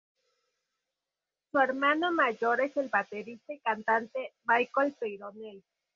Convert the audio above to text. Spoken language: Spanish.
Su hermano mayor es el baterista y cantante Michel Peyronel.